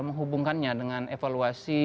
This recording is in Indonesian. menghubungkannya dengan evaluasi